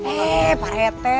eh pak rt